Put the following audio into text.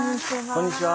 こんにちは。